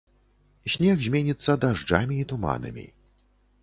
Снег зменіцца дажджамі і туманамі.